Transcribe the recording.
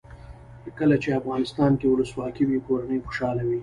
کله چې افغانستان کې ولسواکي وي کورنۍ خوشحاله وي.